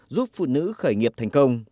giúp phụ nữ khởi nghiệp thành công